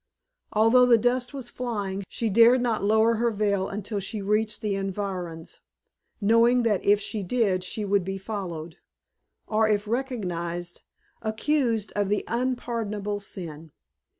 Although the dust was flying she dared not lower her veil until she reached the environs, knowing that if she did she would be followed; or if recognized, accused of the unpardonable sin.